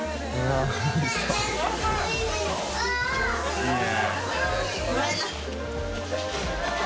いいね。